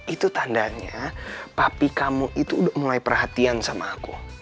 itu tandanya papi kamu itu udah mulai perhatian sama aku